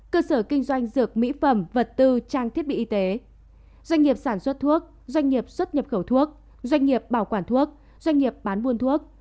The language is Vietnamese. cơ sở kinh doanh dược mỹ phẩm vật tư trang thiết bị y tế được phép hoạt động trở lại cuối cùng